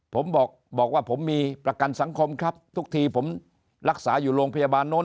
ผมบอกว่าผมมีประกันสังคมครับทุกทีผมรักษาอยู่โรงพยาบาลโน้น